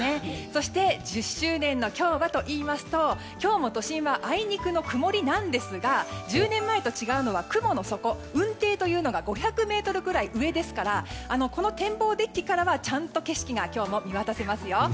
そして１０周年の今日はといいますと今日、都心はあいにくの曇りなんですが１０年前と違うのは雲の底雲底というのが５００ｍぐらい上ですからこの天望デッキからはちゃんと景色が今日も見渡せます。